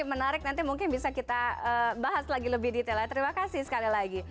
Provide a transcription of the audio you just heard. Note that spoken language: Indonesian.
menarik nanti mungkin bisa kita bahas lagi lebih detail ya terima kasih sekali lagi